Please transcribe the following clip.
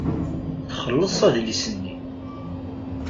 Txelleṣ adlis-nni.